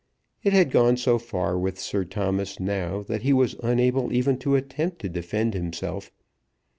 It had gone so far with Sir Thomas now that he was unable even to attempt to defend himself.